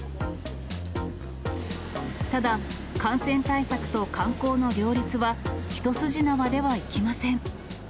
ただ感染対策と観光の両立は一筋縄ではいきません。